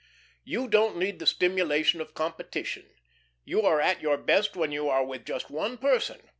"You don't need the stimulation of competition. You are at your best when you are with just one person.